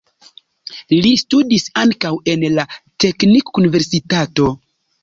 Li studis ankaŭ en la teknikuniversitato.